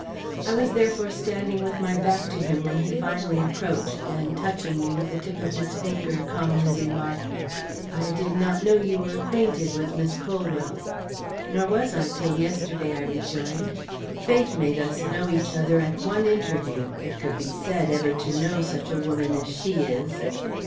I was therefore standing with my back to him when he finally approached, and touching me with the tip of his finger, calmly remarked; "I did not know you were acquainted with Miss Colwell." "Nor was I till yesterday," I rejoined. "Fate made us know each other at one interview, if could be said to ever know such a woman as she is."